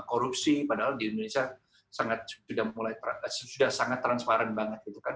korupsi padahal di indonesia sudah sangat transparan banget gitu kan